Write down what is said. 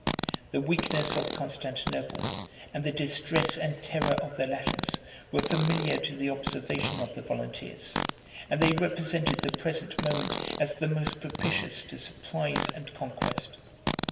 The weakness of Constantinople, and the distress and terror of the Latins, were familiar to the observation of the volunteers; and they represented the present moment as the most propitious to surprise and conquest.